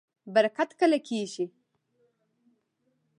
برکت کله کیږي؟